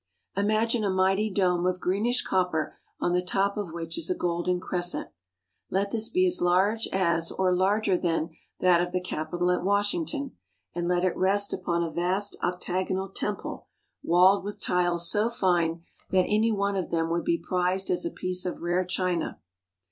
Imagine a mighty dome of greenish copper on the top of which is a golden crescent. Let this be as large as or larger than that of the Capitol at Washington, and let it rest upon a vast octagonal temple walled with tiles so fine that any one of them would be prized as a piece of rare china.